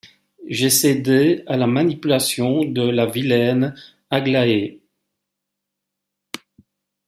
J’ai cédé à la manipulation de la vilaine Aglaé.